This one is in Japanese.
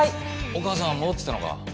お母さん戻って来たのか？